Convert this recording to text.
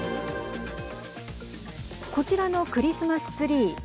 こちらのクリスマスツリー。